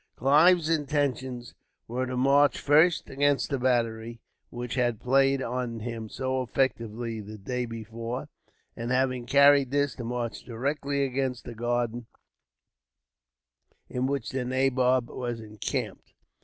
Clive's intentions were to march first against the battery which had played on him so effectually the day before; and, having carried this, to march directly against the garden in which the nabob was encamped.